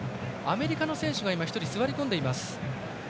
アメリカの選手が今、１人座り込んでいます。